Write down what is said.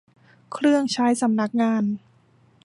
เครื่องใช้สำนักงาน